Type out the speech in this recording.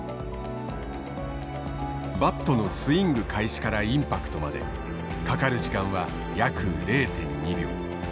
バットのスイング開始からインパクトまでかかる時間は約０．２秒。